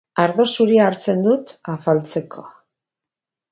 Ardo zuria hartzen dut afaltzeko.